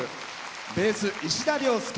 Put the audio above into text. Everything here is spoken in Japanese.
ベース、石田良典。